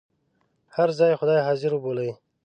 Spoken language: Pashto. هر ځای خدای حاضر وبولئ.